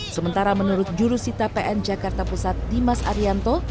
sementara menurut jurusita pn jakarta pusat dimas arianto